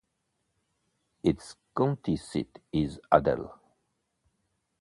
Its county seat is Adel.